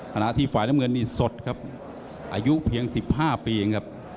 ขณะที่ฝ่ายน้ำเงินนี่สดครับอายุเพียง๑๕ปีเองครับ